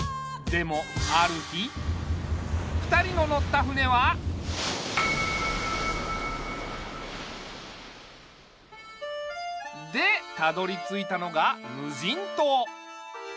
でもある日２人の乗った船は。でたどりついたのがむじんとう。